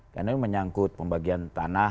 karena menyangkut pembagian tanah